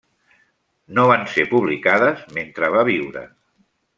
No van ser publicades mentre va viure.